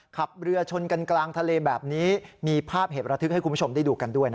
ขับเรือชนกันกลางทะเลแบบนี้มีภาพเหตุระทึกให้คุณผู้ชมได้ดูกันด้วยนะ